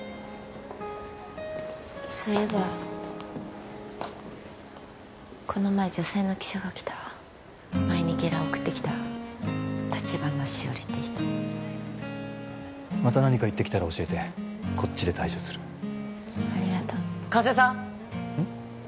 そういえばこの前女性の記者が来た前にゲラを送ってきた橘しおりって人また何か言ってきたら教えてこっちで対処するありがとう加瀬さん